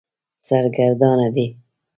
سرګردانه دی.